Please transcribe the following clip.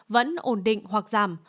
vẫn ổn định hoặc giảm